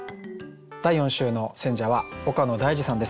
第４週の選者は岡野大嗣さんです。